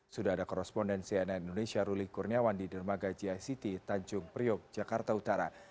sudah ada korespondensi nn indonesia ruli kurniawan di dermaga gict tanjung priok jakarta utara